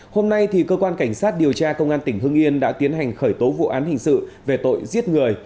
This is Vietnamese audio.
hôm nay cơ quan cảnh sát điều tra công an tỉnh hưng yên đã tiến hành khởi tố vụ án hình sự về tội giết người